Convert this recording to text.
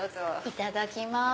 いただきます。